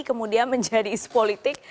kemudian menjadi isu politik